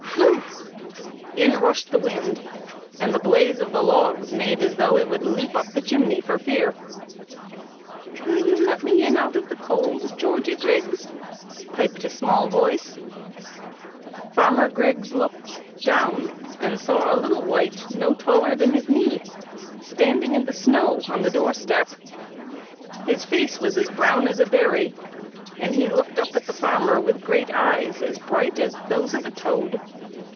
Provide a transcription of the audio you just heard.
Whoo ! In rushed the wind, and the blaze of the logs made as though it would leap up the chimney for fear. " Will you let me in out of the cold, Georgie Griggs ?" piped a small voice. Farmer 78 PEPPER AND SALT. Griggs looked down and saw a little wight no taller than his knee standing in the snow on the door step. His face was as brown as a berry, and he looked up at the farmer with great eyes as bright as those of a toad.